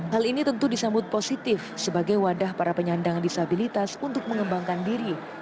hal ini tentu disambut positif sebagai wadah para penyandang disabilitas untuk mengembangkan diri